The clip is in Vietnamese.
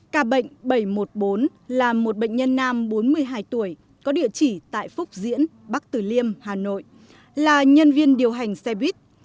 ca bệnh bảy trăm một mươi bốn là một bệnh nhân nam bốn mươi hai tuổi có địa chỉ tại phúc diễn bắc tử liêm hà nội là nhân viên điều hành xe buýt